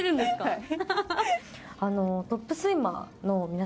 はい。